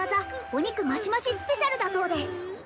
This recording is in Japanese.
お肉マシマシスペシャルだそうです